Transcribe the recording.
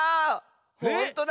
ほんとだ。